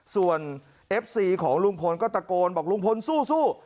ส่วนเอฟซีของลุงพลก็ตะโกนบอกลุงพลสู้